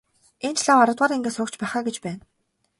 Энэ ч лав аравдугаар ангийн сурагч байх аа гэж байна.